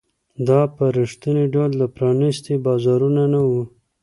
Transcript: دا په رښتیني ډول پرانیستي بازارونه نه وو.